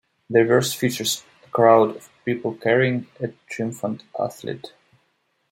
The reverse features a crowd of people carrying a triumphant athlete.